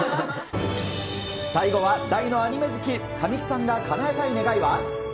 最後は、大のアニメ好き、神木さんがかなえたい願いは？